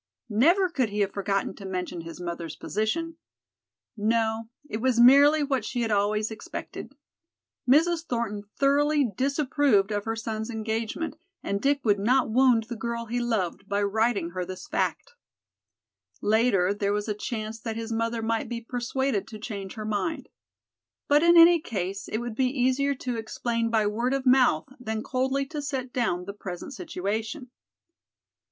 Never could he have forgotten to mention his mother's position! No, it was merely what she had always expected. Mrs. Thornton thoroughly disapproved of her son's engagement and Dick would not wound the girl he loved by writing her this fact. Later there was a chance that his mother might be persuaded to change her mind. But in any case it would be easier to explain by word of mouth than coldly to set down the present situation.